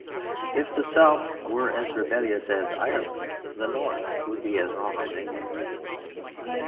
If the South were as rebellious as Ireland, the North would be as wrong as England.